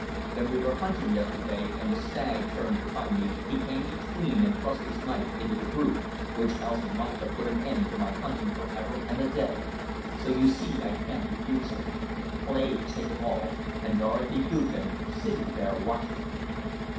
When we were hunting yesterday, and the stag turned upon me, he came between and thrust his knife into the brute, which else might have put an end to my hunting forever and a day: so you see I can't refuse him. Plague take it all! and Dorothy Gookin sitting there watching!"